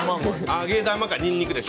揚げ玉かニンニクだよ。